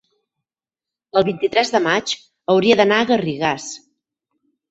el vint-i-tres de maig hauria d'anar a Garrigàs.